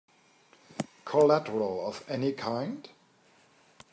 Collateral of any kind?